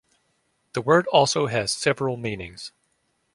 The word also has several meanings.